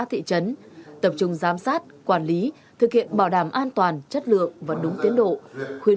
thị trấn tập trung giám sát quản lý thực hiện bảo đảm an toàn chất lượng và đúng tiến độ khuyến